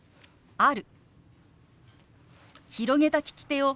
「ある」。